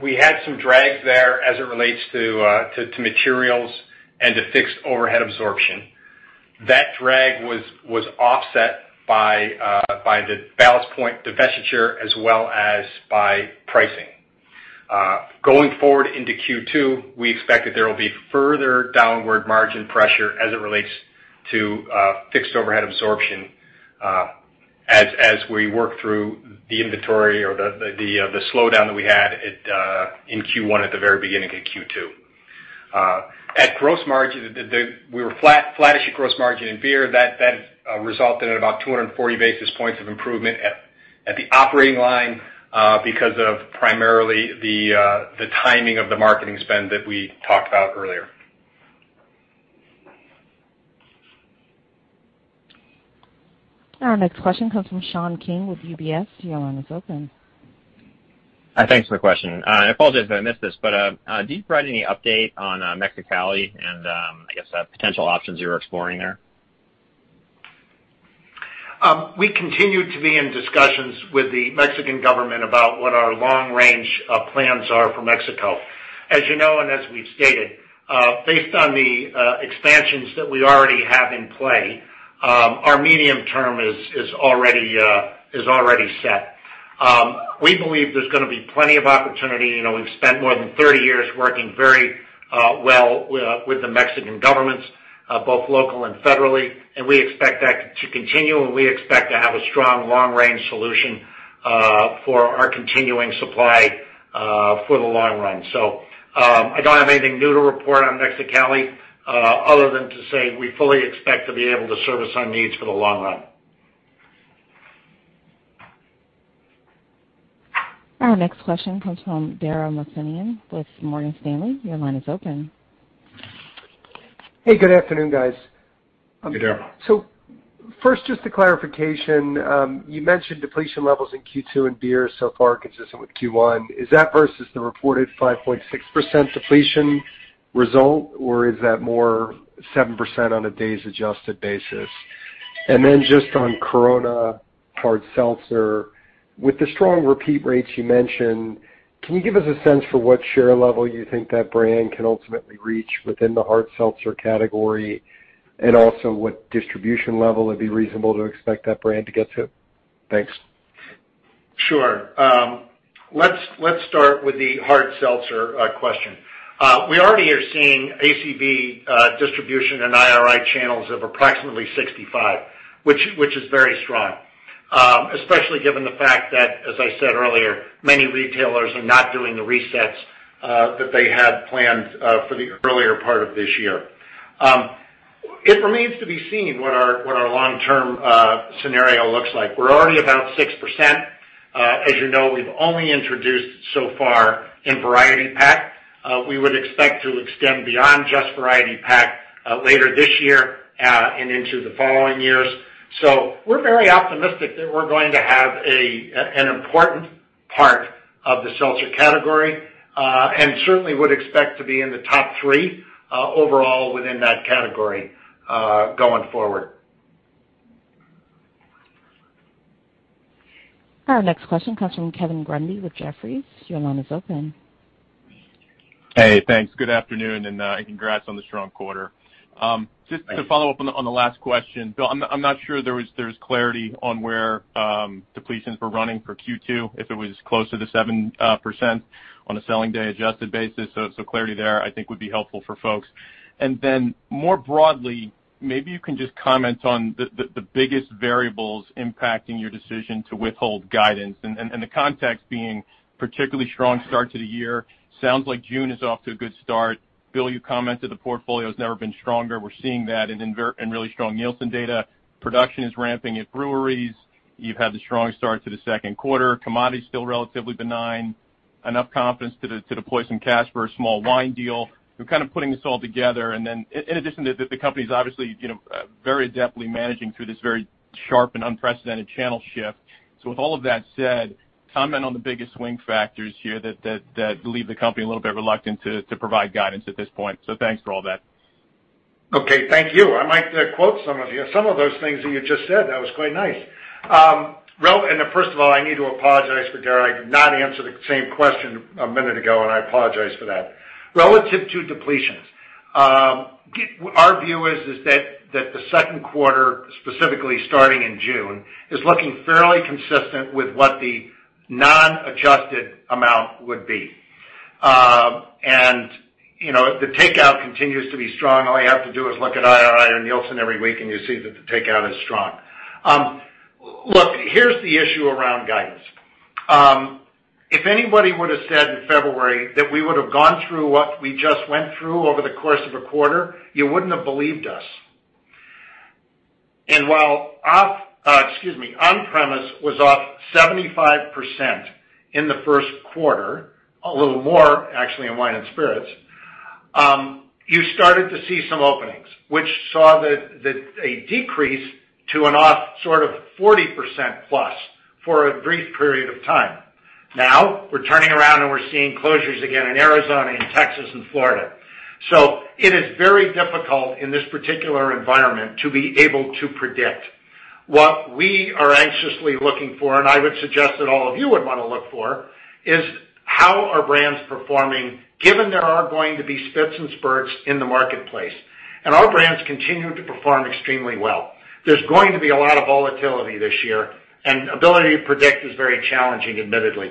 We had some drag there as it relates to materials and to fixed overhead absorption. That drag was offset by the Ballast Point divestiture as well as by pricing. Going forward into Q2, we expect that there will be further downward margin pressure as it relates to fixed overhead absorption, as we work through the inventory or the slowdown that we had in Q1 at the very beginning of Q2. At gross margin, we were flattish at gross margin in beer. That resulted in about 240 basis points of improvement at the operating line because of primarily the timing of the marketing spend that we talked about earlier. Our next question comes from Sean King with UBS. Your line is open. Thanks for the question. I apologize if I missed this, but do you provide any update on Mexicali and, I guess, potential options you're exploring there? We continue to be in discussions with the Mexican government about what our long-range plans are for Mexico. As you know, as we've stated, based on the expansions that we already have in play, our medium term is already set. We believe there's going to be plenty of opportunity. We've spent more than 30 years working very well with the Mexican governments, both local and federally, we expect that to continue, and we expect to have a strong long-range solution for our continuing supply for the long run. I don't have anything new to report on Mexicali, other than to say we fully expect to be able to service our needs for the long run. Our next question comes from Dara Mohsenian with Morgan Stanley. Your line is open. Hey, good afternoon, guys. Hey, Dara. First, just a clarification. You mentioned depletion levels in Q2 in beer so far are consistent with Q1. Is that versus the reported 5.6% depletion result, or is that more 7% on a days-adjusted basis? Just on Corona Hard Seltzer, with the strong repeat rates you mentioned, can you give us a sense for what share level you think that brand can ultimately reach within the hard seltzer category? Also what distribution level would be reasonable to expect that brand to get to? Thanks. Sure. Let's start with the hard seltzer question. We already are seeing ACV distribution and IRI channels of approximately 65, which is very strong. Especially given the fact that, as I said earlier, many retailers are not doing the resets that they had planned for the earlier part of this year. It remains to be seen what our long-term scenario looks like. We're already about 6%. As you know, we've only introduced so far in Variety Pack. We would expect to extend beyond just Variety Pack later this year and into the following years. We're very optimistic that we're going to have an important part of the seltzer category, and certainly would expect to be in the top 3, overall within that category, going forward. Our next question comes from Kevin Grundy with Jefferies. Your line is open. Hey, thanks. Good afternoon, congrats on the strong quarter. Thanks. Just to follow up on the last question, Bill, I'm not sure there was clarity on where depletions were running for Q2, if it was close to the 7% on a selling day adjusted basis. Clarity there, I think, would be helpful for folks. More broadly, maybe you can just comment on the biggest variables impacting your decision to withhold guidance, and the context being particularly strong start to the year. Sounds like June is off to a good start. Bill, you commented the portfolio's never been stronger. We're seeing that in really strong Nielsen data. Production is ramping at breweries. You've had the strong start to the second quarter. Commodity's still relatively benign. Enough confidence to deploy some cash for a small wine deal. We're kind of putting this all together. In addition, the company's obviously very adeptly managing through this very sharp and unprecedented channel shift. With all of that said, comment on the biggest swing factors here that leave the company a little bit reluctant to provide guidance at this point. Thanks for all that. Okay. Thank you. I might quote some of those things that you just said. That was quite nice. First of all, I need to apologize for Dara. I did not answer the same question a minute ago, and I apologize for that. Relative to Depletions, our view is that the second quarter, specifically starting in June, is looking fairly consistent with what the non-adjusted amount would be. The takeout continues to be strong. All you have to do is look at IRI or Nielsen every week, and you see that the takeout is strong. Look, here's the issue around guidance. If anybody would've said in February that we would've gone through what we just went through over the course of a quarter, you wouldn't have believed us. While off Excuse me. On-premise was off 75% in the first quarter, a little more actually in wine and spirits. You started to see some openings, which saw a decrease to an off sort of 40% plus for a brief period of time. Now we're turning around, and we're seeing closures again in Arizona and Texas and Florida. It is very difficult in this particular environment to be able to predict. What we are anxiously looking for, and I would suggest that all of you would want to look for, is how are brands performing given there are going to be spits and spurs in the marketplace. Our brands continue to perform extremely well. There's going to be a lot of volatility this year, and ability to predict is very challenging, admittedly.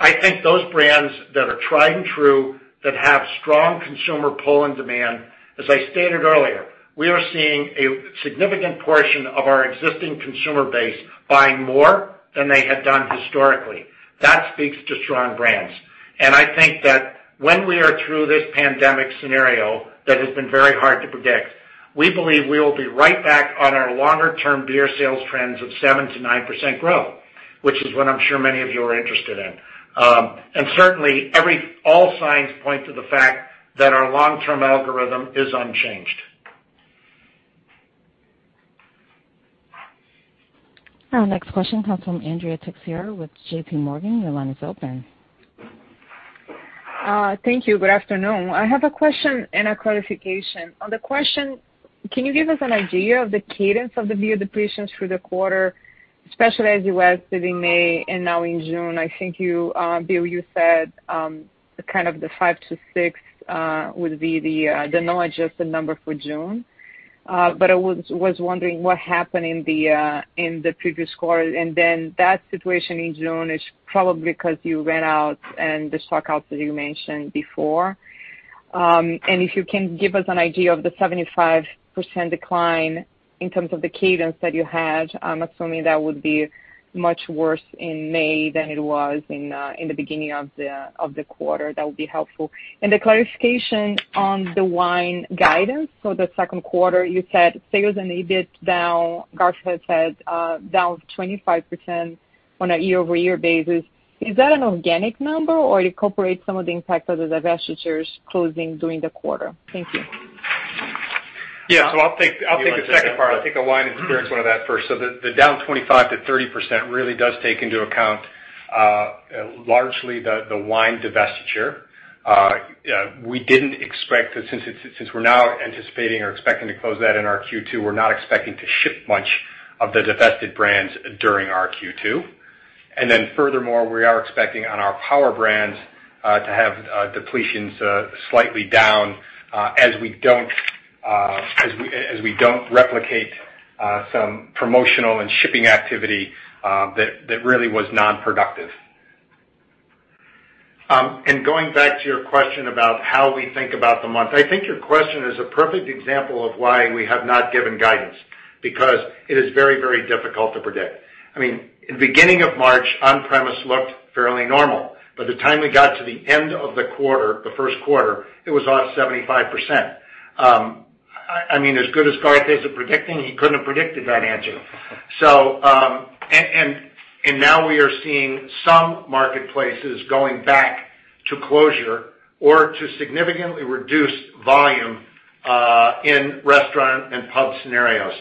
I think those brands that are tried and true, that have strong consumer pull and demand, as I stated earlier, we are seeing a significant portion of our existing consumer base buying more than they had done historically. That speaks to strong brands. I think that when we are through this pandemic scenario that has been very hard to predict, we believe we will be right back on our longer term beer sales trends of 7%-9% growth, which is what I'm sure many of you are interested in. Certainly all signs point to the fact that our long-term algorithm is unchanged. Our next question comes from Andrea Teixeira with JP Morgan. Your line is open. Thank you. Good afternoon. I have a question and a clarification. On the question, can you give us an idea of the cadence of the beer depletions through the quarter, especially as you were sitting May and now in June? I think, Bill, you said, kind of the five to six would be the non-adjusted number for June. I was wondering what happened in the previous quarter, and then that situation in June is probably because you ran out and the stock outs that you mentioned before. If you can give us an idea of the 75% decline in terms of the cadence that you had, I'm assuming that would be much worse in May than it was in the beginning of the quarter. That would be helpful. The clarification on the wine guidance for the second quarter, you said sales and EBIT down. Garth had said down 25% on a year-over-year basis. Is that an organic number or it incorporates some of the impact of the divestitures closing during the quarter? Thank you. Yeah. I'll take the second part. You want to take that one? I'll take the wine and spirits one of that first. The down 25%-30% really does take into account largely the wine divestiture. We didn't expect that since we're now anticipating or expecting to close that in our Q2, we're not expecting to ship much of the divested brands during our Q2. Furthermore, we are expecting on our power brands, to have depletions slightly down, as we don't replicate some promotional and shipping activity that really was non-productive. Going back to your question about how we think about the month, I think your question is a perfect example of why we have not given guidance, because it is very difficult to predict. In the beginning of March, on-premise looked fairly normal. By the time we got to the end of the first quarter, it was off 75%. As good as Garth is at predicting, he couldn't have predicted that answer. Now we are seeing some marketplaces going back to closure or to significantly reduced volume, in restaurant and pub scenarios.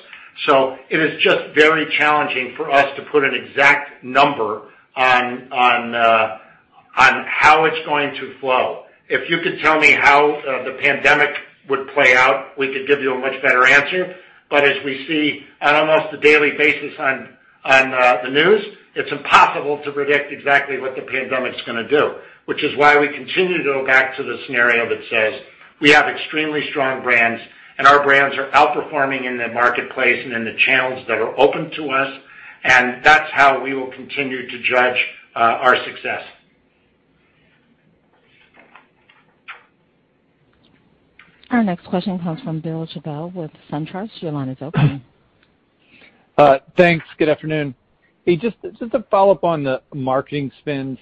It is just very challenging for us to put an exact number on how it's going to flow. If you could tell me how the pandemic would play out, we could give you a much better answer. As we see on almost a daily basis on the news, it's impossible to predict exactly what the pandemic's going to do, which is why we continue to go back to the scenario that says, we have extremely strong brands, and our brands are outperforming in the marketplace and in the channels that are open to us, and that's how we will continue to judge our success. Our next question comes from Bill Chappell with SunTrust. Your line is open. Thanks. Good afternoon. Just to follow up on the marketing spends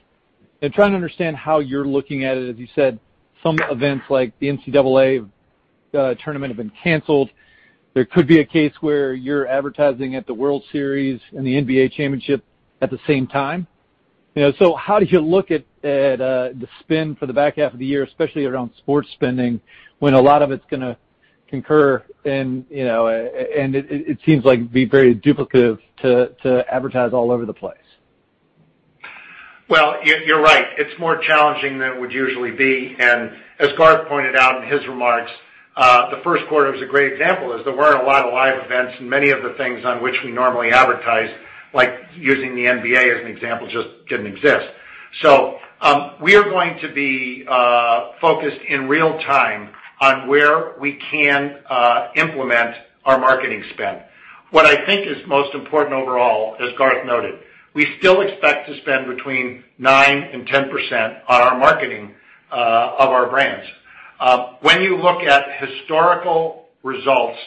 and trying to understand how you're looking at it. As you said, some events like the NCAA tournament have been canceled. There could be a case where you're advertising at the World Series and the NBA Championship at the same time. How did you look at the spend for the back half of the year, especially around sports spending, when a lot of it's going to concur, and it seems like it'd be very duplicative to advertise all over the place? Well, you're right. It's more challenging than it would usually be, and as Garth pointed out in his remarks, the first quarter was a great example, as there weren't a lot of live events, and many of the things on which we normally advertise, like using the NBA as an example, just didn't exist. We are going to be focused in real time on where we can implement our marketing spend. What I think is most important overall, as Garth noted, we still expect to spend between nine and 10% on our marketing of our brands. When you look at historical results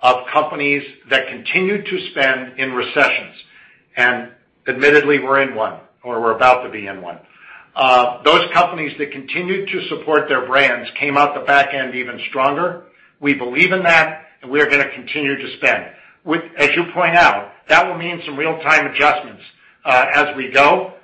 of companies that continued to spend in recessions, and admittedly, we're in one, or we're about to be in one. Those companies that continued to support their brands came out the back end even stronger. We believe in that, and we are going to continue to spend. As you point out, that will mean some real-time adjustments as we go,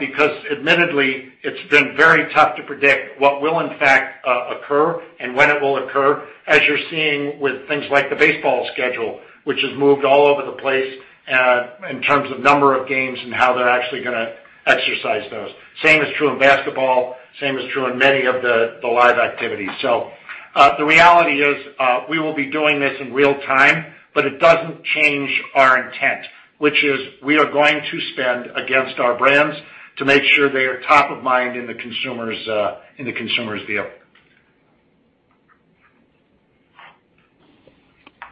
because admittedly, it's been very tough to predict what will in fact occur and when it will occur, as you're seeing with things like the baseball schedule, which has moved all over the place in terms of number of games and how they're actually going to exercise those. Same is true in basketball, same is true in many of the live activities. The reality is, we will be doing this in real time, but it doesn't change our intent, which is we are going to spend against our brands to make sure they are top of mind in the consumer's view.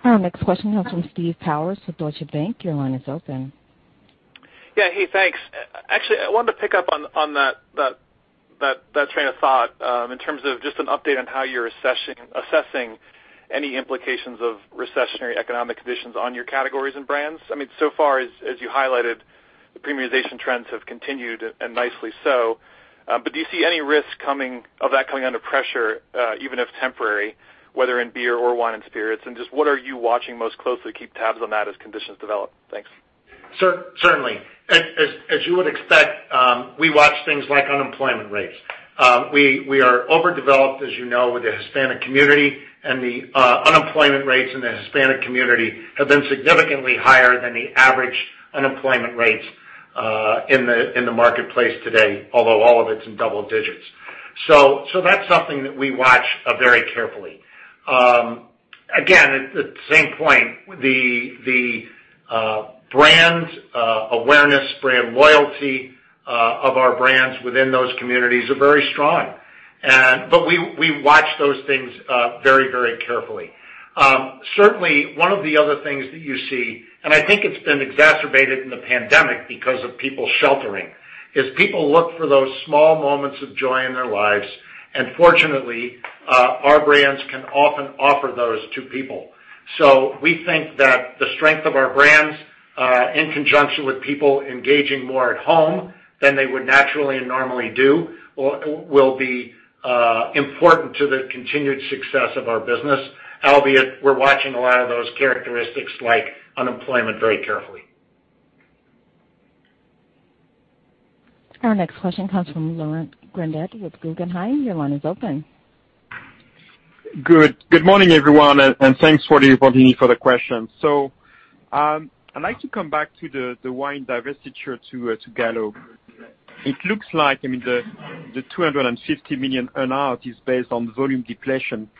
Our next question comes from Steve Powers with Deutsche Bank. Your line is open. Yeah. Hey, thanks. Actually, I wanted to pick up on that train of thought, in terms of just an update on how you're assessing any implications of recessionary economic conditions on your categories and brands. So far, as you highlighted, the premiumization trends have continued, and nicely so. Do you see any risk of that coming under pressure, even if temporary, whether in beer or wine and spirits, and just what are you watching most closely to keep tabs on that as conditions develop? Thanks. Certainly. As you would expect, we watch things like unemployment rates. We are overdeveloped, as you know, with the Hispanic community, and the unemployment rates in the Hispanic community have been significantly higher than the average unemployment rates in the marketplace today, although all of it's in double digits. That's something that we watch very carefully. Again, at the same point, the brand awareness, brand loyalty of our brands within those communities are very strong. We watch those things very carefully. Certainly, one of the other things that you see, and I think it's been exacerbated in the pandemic because of people sheltering, is people look for those small moments of joy in their lives. Fortunately, our brands can often offer those to people. We think that the strength of our brands, in conjunction with people engaging more at home than they would naturally and normally do, will be important to the continued success of our business. Albeit, we're watching a lot of those characteristics like unemployment very carefully. Our next question comes from Laurent Grandet with Guggenheim. Your line is open. Good morning, everyone, and thanks, for the, for the question. I'd like to come back to the wine divestiture to Gallo. It looks like the $250 million earn-out is based on volume Depletion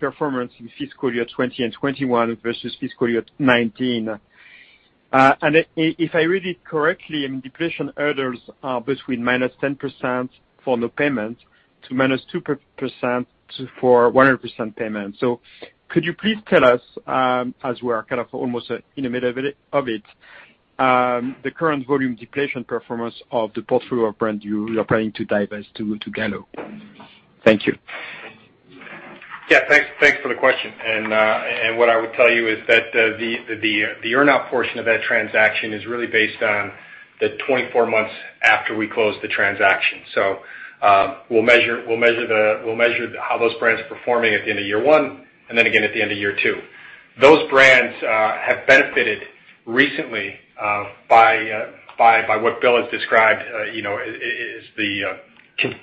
performance in fiscal year 2020 and 2021 versus fiscal year 2019. If I read it correctly, Depletion hurdles are between -10% for no payment to -2% for 100% payment. Could you please tell us, as we are kind of almost in the middle of it, the current volume Depletion performance of the portfolio of brands you are planning to divest to Gallo? Thank you. Yeah, thanks for the question. What I would tell you is that the earn-out portion of that transaction is really based on the 24 months after we close the transaction. We'll measure how those brands are performing at the end of year one, and then again at the end of year two. Those brands have benefited recently by what Bill has described as the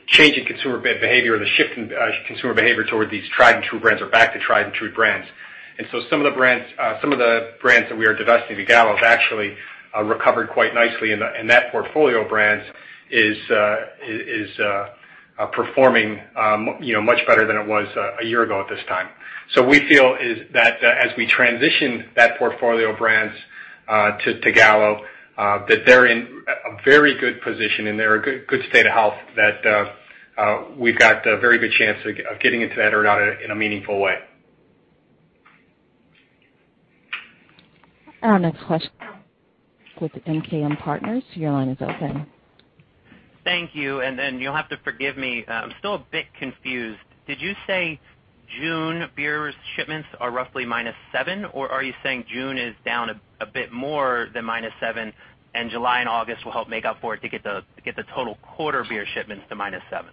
changing consumer behavior, the shift in consumer behavior toward these tried and true brands, or back to tried and true brands. Some of the brands that we are divesting to Gallo have actually recovered quite nicely, and that portfolio of brands is performing much better than it was a year ago at this time. We feel is that as we transition that portfolio of brands to Gallo, that they're in a very good position, and they're in a good state of health that we've got a very good chance of getting into that earn-out in a meaningful way. Our next question with MKM Partners. Your line is open. Thank you. You'll have to forgive me. I'm still a bit confused. Did you say June beer shipments are roughly minus seven, or are you saying June is down a bit more than minus seven, and July and August will help make up for it to get the total quarter beer shipments to minus seven?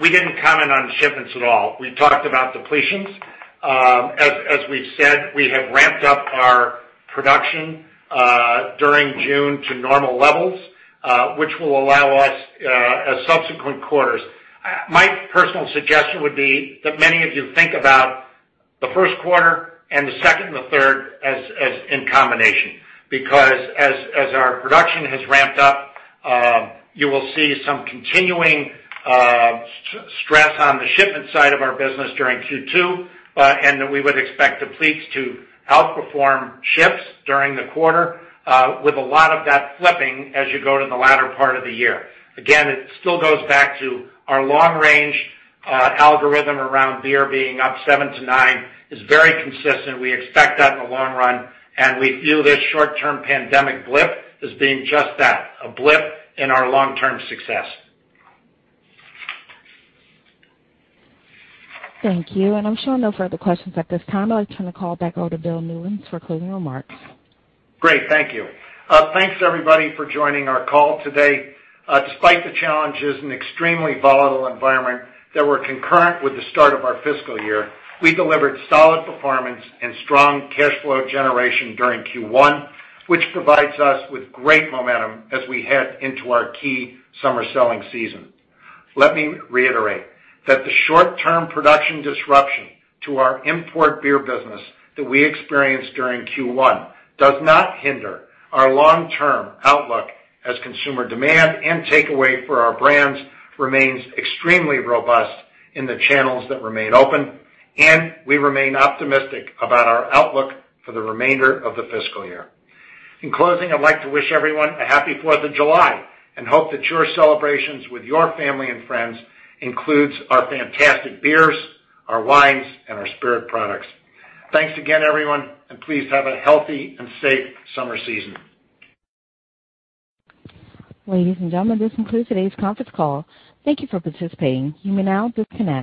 We didn't comment on shipments at all. We talked about depletions. As we've said, we have ramped up our production during June to normal levels, which will allow us subsequent quarters. My personal suggestion would be that many of you think about the first quarter and the second and the third in combination, because as our production has ramped up, you will see some continuing stress on the shipment side of our business during Q2, and that we would expect depletes to outperform ships during the quarter, with a lot of that flipping as you go to the latter part of the year. It still goes back to our long-range algorithm around beer being up seven to nine is very consistent. We expect that in the long run, we view this short-term pandemic blip as being just that, a blip in our long-term success. Thank you. I'm showing no further questions at this time. I'll turn the call back over to Bill Newlands for closing remarks. Great. Thank you. Thanks everybody for joining our call today. Despite the challenges and extremely volatile environment that were concurrent with the start of our fiscal year, we delivered solid performance and strong cash flow generation during Q1, which provides us with great momentum as we head into our key summer selling season. Let me reiterate that the short-term production disruption to our import beer business that we experienced during Q1 does not hinder our long-term outlook as consumer demand and takeaway for our brands remains extremely robust in the channels that remain open, we remain optimistic about our outlook for the remainder of the fiscal year. In closing, I'd like to wish everyone a happy 4th of July, hope that your celebrations with your family and friends includes our fantastic beers, our wines, and our spirit products. Thanks again, everyone, and please have a healthy and safe summer season. Ladies and gentlemen, this concludes today's conference call. Thank you for participating. You may now disconnect.